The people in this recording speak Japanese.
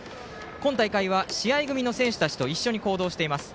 今大会は試合組の選手たちと一緒に行動しています。